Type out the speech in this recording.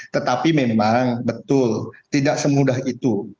tetapi memang betul tidak semudah itu